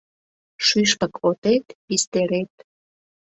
Шӱшпык отет — пистерет